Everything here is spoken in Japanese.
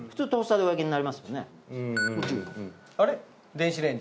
電子レンジ。